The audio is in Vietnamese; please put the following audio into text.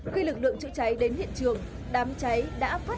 khi lực lượng chữa cháy đến hiện trường đám cháy đã phát triển lớn